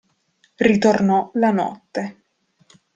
Ritornò la notte.